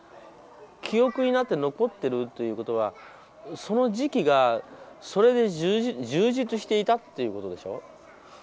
記憶になって残ってるということはその時期がそれで充実していたということでしょ。